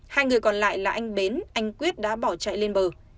hai người còn lại là anh bến anh quyết đã bỏ chạy lên bờ